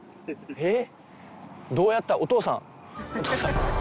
えっ！？